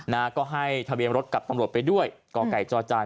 นาก็ให้ทะเบียนรถกับกำโหลดไปด้วยกไก่จอจาน๘๘๖๕